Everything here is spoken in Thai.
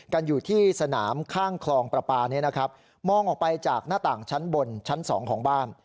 กันอยู่ที่สนามข้างคลองประปาเนี่ยนะครับมองออกไปจากหน้าต่างชั้นบนชั้นสองของบ้าน